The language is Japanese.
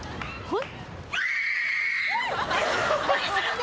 はっ？